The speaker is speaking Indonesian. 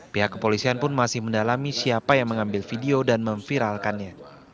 pihak kepolisian pun masih mendalami siapa yang mengambil video dan memviralkannya